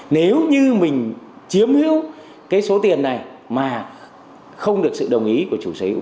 nếu như mình chiếm hữu cái số tiền này mà không được sự đồng ý của chủ sở hữu